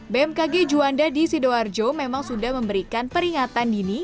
bmkg juanda di sidoarjo memang sudah memberikan peringatan dini